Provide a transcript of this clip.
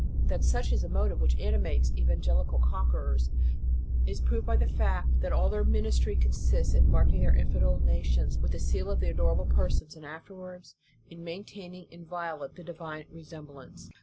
That such is the motive which animates evangelical conquerors, is proved by the fact that all their ministry consists in marking infidel nations with the seal of the adorable Persons, and afterwards in maintaining invio late the divine resemblance.